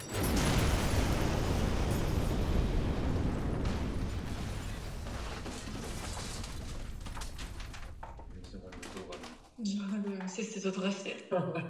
虎頭鳥鼠仔尾